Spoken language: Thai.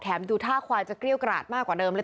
ดูท่าควายจะเกรี้ยวกราดมากกว่าเดิมเลย